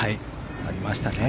ありましたね。